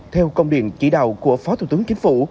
theo công điện chỉ đạo của phó thủ tướng chính phủ